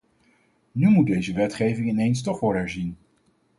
Nu moet deze wetgeving ineens toch worden herzien.